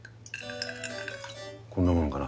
こんなもんかな。